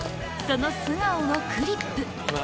その素顔をクリップ